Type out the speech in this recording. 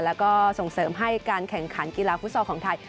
แล้วก็ส่งเสริมให้การแข่งขันกีฬาฟุตซอลของไทย